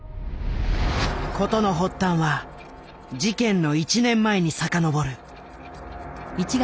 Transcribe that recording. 事の発端は事件の１年前に遡る。